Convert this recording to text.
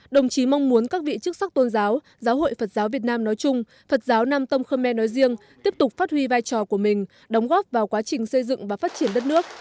đồng chí mong muốn các vị chức sắc tôn giáo giáo hội phật giáo việt nam nói chung phật giáo nam tông khơ me nói riêng tiếp tục phát huy vai trò của mình đóng góp vào quá trình xây dựng và phát triển đất nước